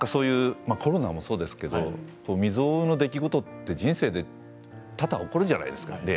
コロナもそうですけど未曽有の出来事って人生で多々起こるじゃないですか。